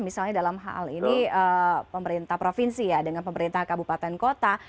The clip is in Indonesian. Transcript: misalnya dalam hal ini pemerintah provinsi ya dengan pemerintah kabupaten kota